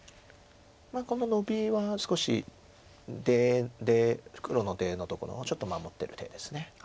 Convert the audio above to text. このノビは少し黒の出のところをちょっと守ってる手です。